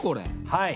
はい。